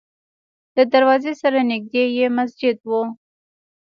له دروازې سره نږدې یې مسجد و.